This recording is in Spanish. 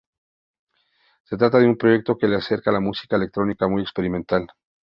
Se trata de un proyecto que le acerca a la música electrónica, muy experimental.